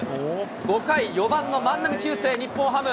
５回、４番の万波中正、日本ハム。